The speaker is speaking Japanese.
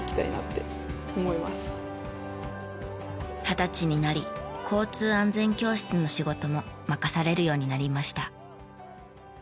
二十歳になり交通安全教室の仕事も任されるようになりました。